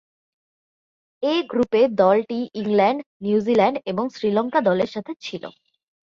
এ গ্রুপে দলটি England, New Zealand এবং শ্রীলঙ্কা দলের সাথে ছিল।